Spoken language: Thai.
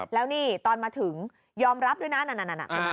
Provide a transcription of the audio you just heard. แล้วนี่ตอนมาถึงยอมรับด้วยนะนั่นน่ะ